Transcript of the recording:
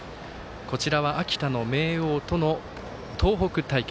こちらは秋田の明桜との東北対決。